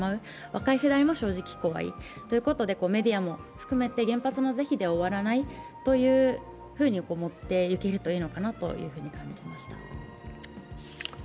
若い世代も正直怖いということで、メディアも含めて原発の是非で終わらないというように持っていけるといいのかなと感じました。